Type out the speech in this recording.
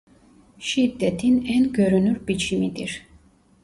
Şiddetin en görünür biçimidir.